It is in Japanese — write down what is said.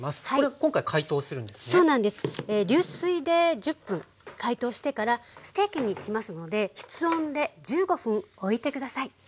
流水で１０分解凍してからステーキにしますので室温で１５分おいて下さい。